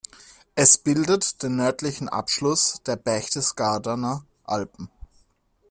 Es bildet den nördlichen Abschluss der Berchtesgadener Alpen.